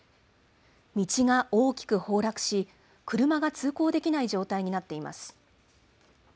道が大きく崩落し、車が通行できない状態になっています。